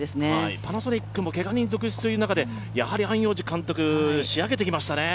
パナソニックもけが人続出という中で、やはり安養寺監督仕上げてきましたね。